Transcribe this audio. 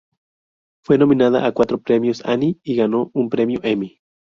Fue nominada a cuatro premios Annie y ganó un Premio Emmy.